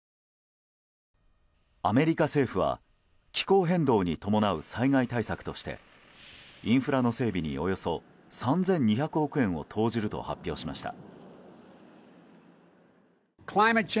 アメリカ政府は気候変動に伴う災害対策としてインフラの整備におよそ３２００億円を投じると発表しました。